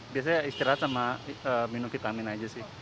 biasanya istirahat sama minum vitamin aja sih